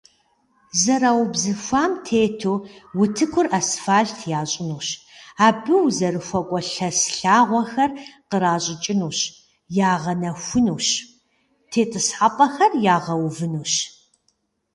Зэраубзыхуам тету утыкур асфальт ящӀынущ, абы узэрыхуэкӀуэ лъэс лъагъуэхэр къращӀыкӀынущ, ягъэнэхунущ, тетӀысхьэпӀэхэр ягъэувынущ.